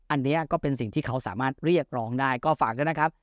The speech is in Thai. อันนี้ก็เป็นสิ่งที่เขาสามารถเรียกร้องได้ก็ฝากด้วยนะครับ